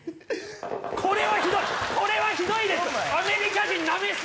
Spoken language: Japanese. これはひどいこれはひどいです！